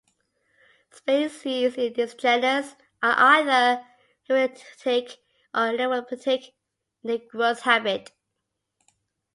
Species in this genus are either ephiphytic or lithophytic in their growth habit.